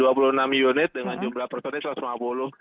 dengan jumlah persennya satu ratus lima puluh